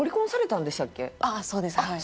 ああそうですはい。